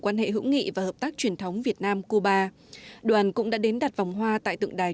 quan hệ hữu nghị và hợp tác truyền thống việt nam cuba đoàn cũng đã đến đặt vòng hoa tại tượng đài